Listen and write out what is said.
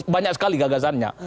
banyak sekali gagasannya